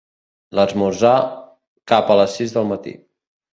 L'esmorzar, cap a les sis del matí